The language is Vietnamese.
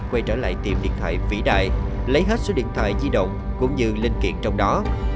quay trở lại tìm điện thoại vĩ đại lấy hết số điện thoại di động cũng như linh kiện trong đó